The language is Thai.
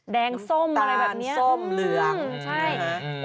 แดงส้มอะไรแบบนี้